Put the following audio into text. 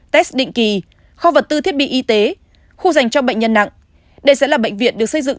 tech định kỳ kho vật tư thiết bị y tế khu dành cho bệnh nhân nặng đây sẽ là bệnh viện được xây dựng